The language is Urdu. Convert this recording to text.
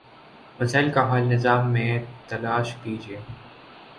مسائل کا حل نظام میں تلاش کیجیے۔